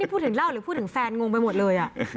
พูดถึงเหล้าหรือพูดถึงแฟนงงไปหมดเลย